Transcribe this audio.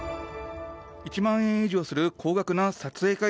１万円以上する高額な撮影会